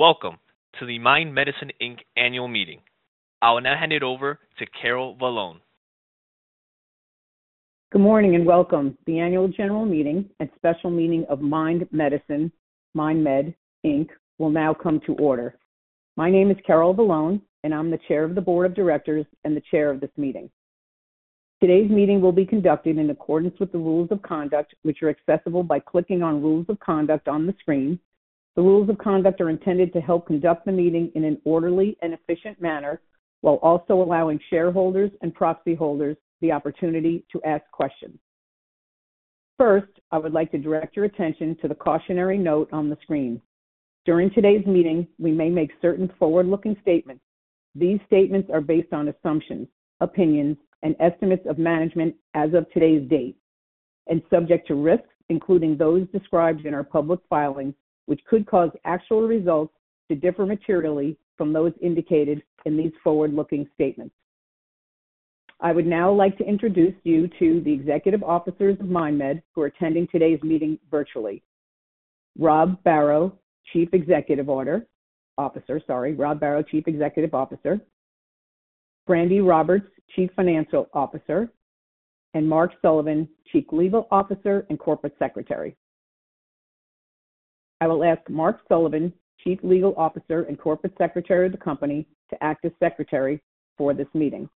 Welcome to the Mind Medicine (MindMed) annual meeting. I will now hand it over to Carol Vallone. Good morning and welcome. The annual general meeting and special meeting of Mind Medicine (MindMed) Inc. will now come to order. My name is Carol Vallone, and I'm the Chair of the Board of Directors and the Chair of this meeting. Today's meeting will be conducted in accordance with the rules of conduct, which are accessible by clicking on "Rules of Conduct" on the screen. The rules of conduct are intended to help conduct the meeting in an orderly and efficient manner, while also allowing shareholders and proxy holders the opportunity to ask questions. First, I would like to direct your attention to the cautionary note on the screen. During today's meeting, we may make certain forward-looking statements. These statements are based on assumptions, opinions, and estimates of management as of today's date, and subject to risks, including those described in our public filings, which could cause actual results to differ materially from those indicated in these forward-looking statements. I would now like to introduce you to the executive officers of MindMed who are attending today's meeting virtually: Rob Barrow, Chief Executive Officer—sorry—Rob Barrow, Chief Executive Officer, Brandi Roberts, Chief Financial Officer, and Mark Sullivan, Chief Legal Officer and Corporate Secretary. I will ask Mark Sullivan, Chief Legal Officer and Corporate Secretary of the company, to act as secretary for this meeting.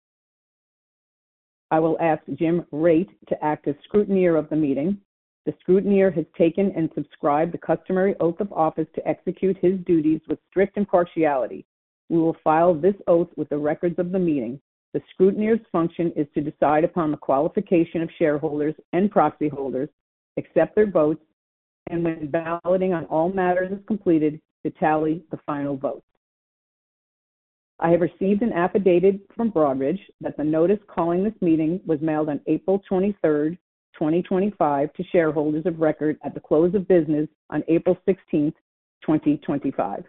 I will ask Jim Rate to act as scrutineer of the meeting. The scrutineer has taken and subscribed the customary oath of office to execute his duties with strict impartiality. We will file this oath with the records of the meeting. The scrutineer's function is to decide upon the qualification of shareholders and proxy holders, accept their votes, and when balloting on all matters is completed, to tally the final vote. I have received an affidavit from Broadridge that the notice calling this meeting was mailed on April 23, 2025, to shareholders of record at the close of business on April 16, 2025.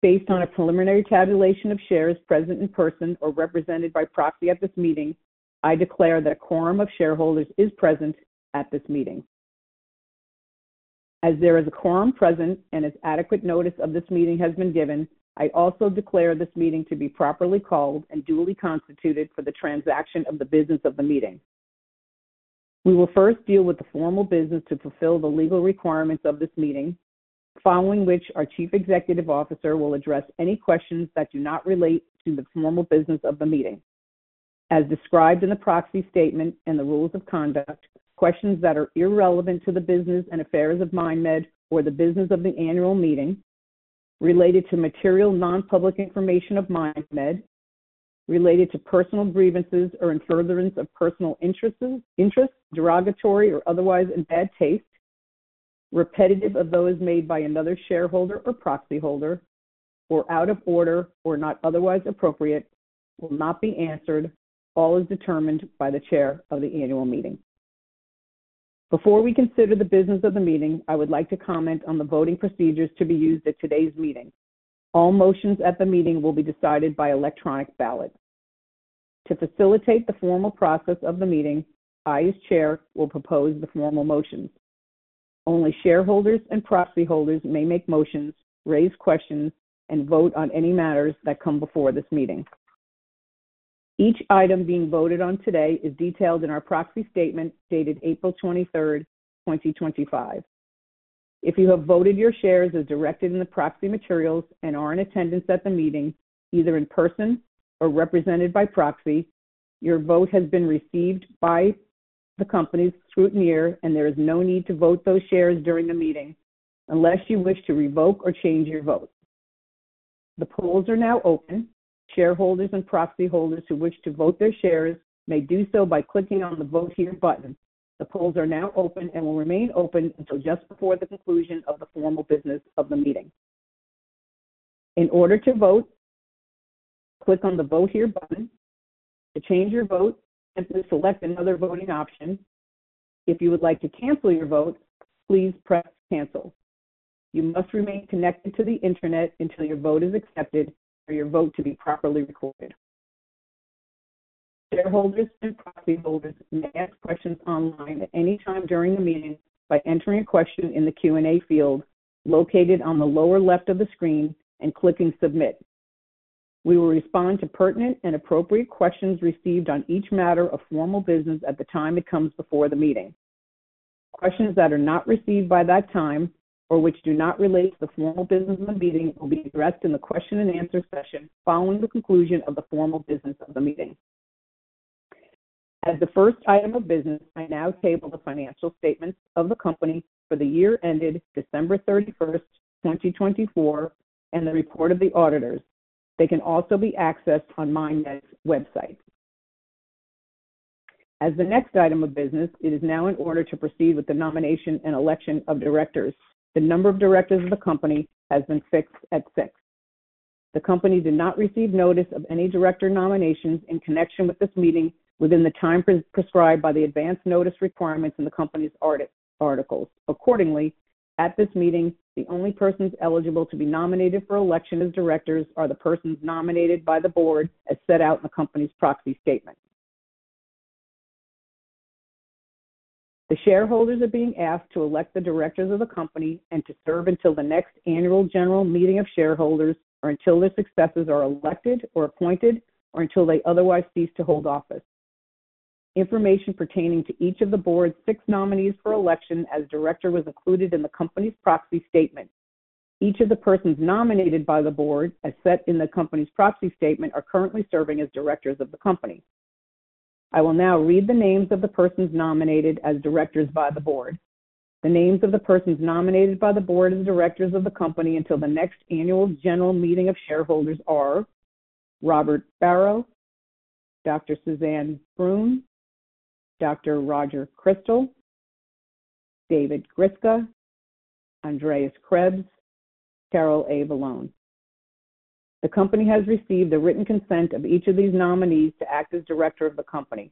Based on a preliminary tabulation of shares present in person or represented by proxy at this meeting, I declare that a quorum of shareholders is present at this meeting. As there is a quorum present and as adequate notice of this meeting has been given, I also declare this meeting to be properly called and duly constituted for the transaction of the business of the meeting. We will first deal with the formal business to fulfill the legal requirements of this meeting, following which our Chief Executive Officer will address any questions that do not relate to the formal business of the meeting. As described in the proxy statement and the rules of conduct, questions that are irrelevant to the business and affairs of MindMed or the business of the annual meeting, related to material nonpublic information of MindMed, related to personal grievances or furtherance of personal interests, derogatory or otherwise in bad taste, repetitive of those made by another shareholder or proxy holder, or out of order or not otherwise appropriate, will not be answered. All is determined by the Chair of the annual meeting. Before we consider the business of the meeting, I would like to comment on the voting procedures to be used at today's meeting. All motions at the meeting will be decided by electronic ballot. To facilitate the formal process of the meeting, I, as Chair, will propose the formal motions. Only shareholders and proxy holders may make motions, raise questions, and vote on any matters that come before this meeting. Each item being voted on today is detailed in our proxy statement dated April 23, 2025. If you have voted your shares as directed in the proxy materials and are in attendance at the meeting, either in person or represented by proxy, your vote has been received by the company's scrutineer, and there is no need to vote those shares during the meeting unless you wish to revoke or change your vote. The polls are now open. Shareholders and proxy holders who wish to vote their shares may do so by clicking on the "Vote Here" button. The polls are now open and will remain open until just before the conclusion of the formal business of the meeting. In order to vote, click on the "Vote Here" button to change your vote and then select another voting option. If you would like to cancel your vote, please press "Cancel." You must remain connected to the internet until your vote is accepted for your vote to be properly recorded. Shareholders and proxy holders may ask questions online at any time during the meeting by entering a question in the Q&A field located on the lower left of the screen and clicking "Submit." We will respond to pertinent and appropriate questions received on each matter of formal business at the time it comes before the meeting. Questions that are not received by that time or which do not relate to the formal business of the meeting will be addressed in the question-and-answer session following the conclusion of the formal business of the meeting. As the first item of business, I now table the financial statements of the company for the year ended December 31, 2024, and the report of the auditors. They can also be accessed on MindMed's website. As the next item of business, it is now in order to proceed with the nomination and election of directors. The number of directors of the company has been fixed at six. The company did not receive notice of any director nominations in connection with this meeting within the time prescribed by the advance notice requirements in the company's articles. Accordingly, at this meeting, the only persons eligible to be nominated for election as directors are the persons nominated by the board, as set out in the company's proxy statement. The shareholders are being asked to elect the directors of the company and to serve until the next annual general meeting of shareholders or until their successors are elected or appointed or until they otherwise cease to hold office. Information pertaining to each of the board's six nominees for election as director was included in the company's proxy statement. Each of the persons nominated by the board, as set in the company's proxy statement, are currently serving as directors of the company. I will now read the names of the persons nominated as directors by the board. The names of the persons nominated by the board as directors of the company until the next annual general meeting of shareholders are Robert Barrow, Dr. Suzanne Bruhn, Dr. Roger Crystal, David Gryska, Andreas Krebs, Carol A. Vallone. The company has received the written consent of each of these nominees to act as director of the company.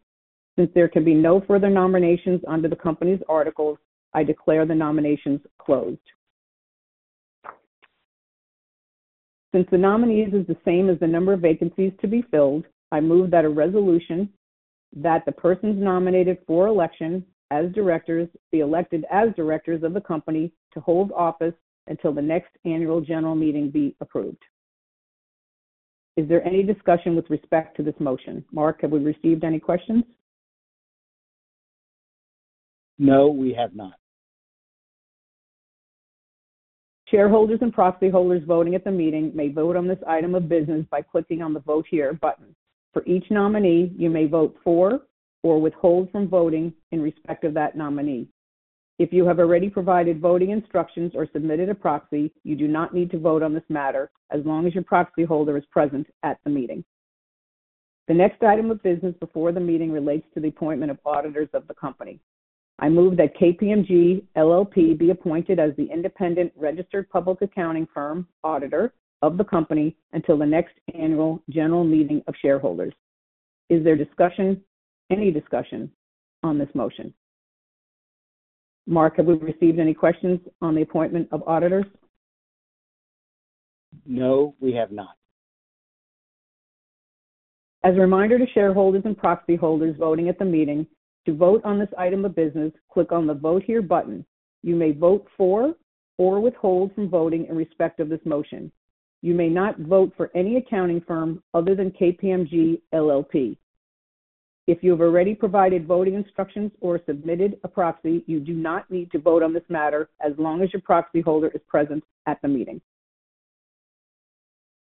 Since there can be no further nominations under the company's articles, I declare the nominations closed. Since the nominees is the same as the number of vacancies to be filled, I move that a resolution that the persons nominated for election as directors be elected as directors of the company to hold office until the next annual general meeting be approved. Is there any discussion with respect to this motion? Mark, have we received any questions? No, we have not. Shareholders and proxy holders voting at the meeting may vote on this item of business by clicking on the "Vote Here" button. For each nominee, you may vote for or withhold from voting in respect of that nominee. If you have already provided voting instructions or submitted a proxy, you do not need to vote on this matter as long as your proxy holder is present at the meeting. The next item of business before the meeting relates to the appointment of auditors of the company. I move that KPMG LLP be appointed as the independent registered public accounting firm auditor of the company until the next annual general meeting of shareholders. Is there any discussion on this motion? Mark, have we received any questions on the appointment of auditors? No, we have not. As a reminder to shareholders and proxy holders voting at the meeting, to vote on this item of business, click on the "Vote Here" button. You may vote for or withhold from voting in respect of this motion. You may not vote for any accounting firm other than KPMG LLP. If you have already provided voting instructions or submitted a proxy, you do not need to vote on this matter as long as your proxy holder is present at the meeting.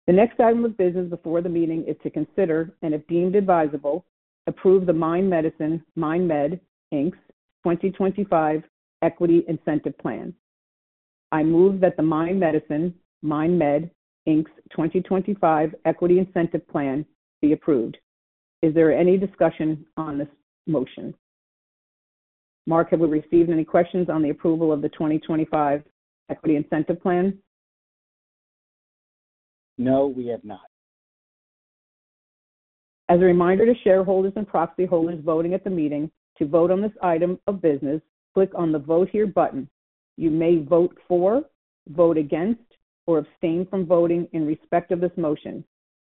The next item of business before the meeting is to consider, and if deemed advisable, approve the Mind Medicine (MindMed) Inc. 2025 Equity Incentive Plan. I move that the Mind Medicine (MindMed) inc.2025 Equity Incentive Plan be approved. Is there any discussion on this motion? Mark, have we received any questions on the approval of the 2025 Equity Incentive Plan? No, we have not. As a reminder to shareholders and proxy holders voting at the meeting, to vote on this item of business, click on the "Vote Here" button. You may vote for, vote against, or abstain from voting in respect of this motion.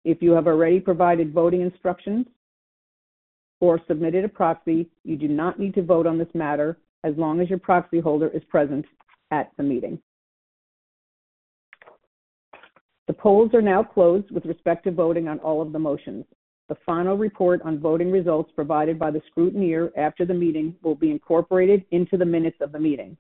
If you have already provided voting instructions or submitted a proxy, you do not need to vote on this matter as long as your proxy holder is present at the meeting. The polls are now closed with respect to voting on all of the motions. The final report on voting results provided by the scrutineer after the meeting will be incorporated into the minutes of the meeting.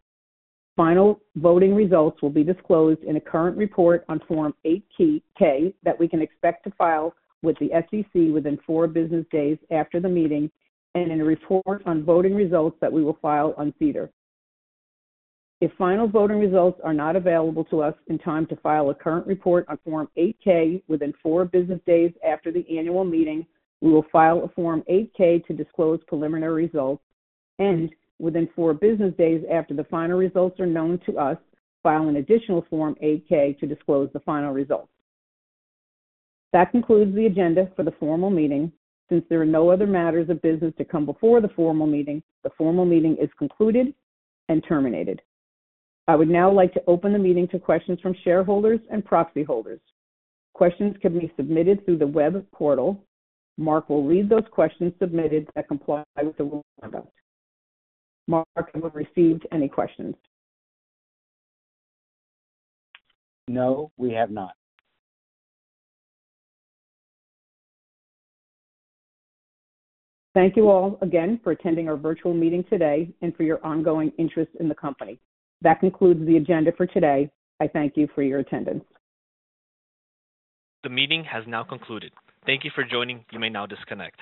Final, voting results will be disclosed in a current report on Form 8-K that we can expect to file with the SEC within four business days after the meeting and in a report on voting results that we will file on SEDAR. If final voting results are not available to us in time to file a current report on Form 8-K within four business days after the annual meeting, we will file a Form 8-K to disclose preliminary results, and within four business days after the final results are known to us, file an additional Form 8-K to disclose the final results. That concludes the agenda for the formal meeting. Since there are no other matters of business to come before the formal meeting, the formal meeting is concluded and terminated. I would now like to open the meeting to questions from shareholders and proxy holders. Questions can be submitted through the web portal. Mark will read those questions submitted that comply with the rules of conduct. Mark, have we received any questions? No, we have not. Thank you all again for attending our virtual meeting today and for your ongoing interest in the company. That concludes the agenda for today. I thank you for your attendance. The meeting has now concluded. Thank you for joining. You may now disconnect.